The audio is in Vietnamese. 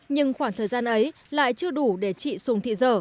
nhưng khoảng thời gian ấy lại chưa đủ để chị sùng thị dở